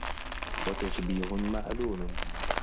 وَتَشْبِيهٌ مَعْلُولٌ